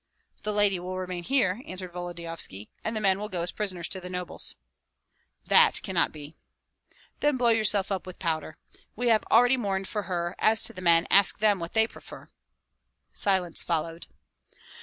"The lady will remain here," answered Volodyovski, "and the men will go as prisoners to the nobles." "That cannot be." "Then blow yourself up with powder! We have already mourned for her; as to the men, ask them what they prefer." Silence followed.